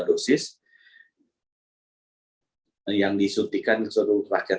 dosis yang disuntikan ke seluruh rakyat